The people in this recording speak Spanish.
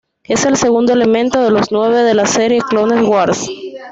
Es el segundo elemento de los nueve de la serie Clone Wars.